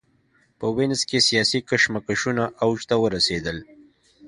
په وینز کې سیاسي کشمکشونه اوج ته ورسېدل.